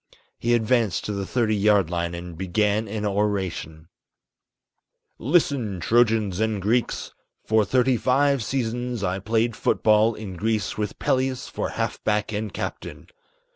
He advanced to the thirty yard line and began an oration: "Listen, Trojans and Greeks! For thirty five seasons, I played foot ball in Greece with Peleus for half back and captain.